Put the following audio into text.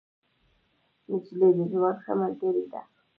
نجلۍ د ژوند ښه ملګرې ده.